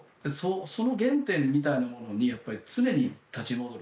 その原点みたいなものに常に立ち戻る。